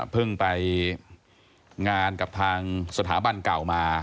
เพิ่งไปงานกับทางสถาบันเก่ามา